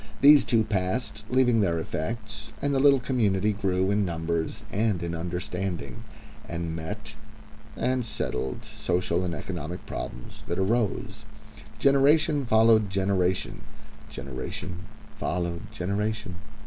These two passed, leaving their effects, and the little community grew in numbers and in understanding, and met and settled social and economic problems that arose. Generation followed generation. Generation followed generation.